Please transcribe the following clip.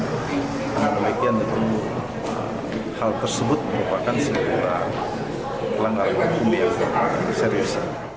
dan kebaikan untuk hal tersebut merupakan sebuah langkah yang lebih serius